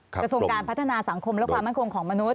กระทรวงการพัฒนาสังคมและความมั่นคงของมนุษ